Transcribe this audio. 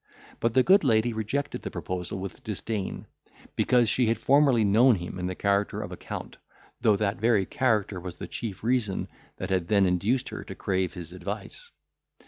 But the good lady rejected the proposal with disdain, because she had formerly known him in the character of a Count—though that very character was the chief reason that had then induced her to crave his advice.